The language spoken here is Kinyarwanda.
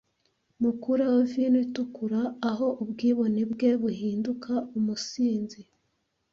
mukureho vino itukura aho ubwibone bwe buhinduka umusinzi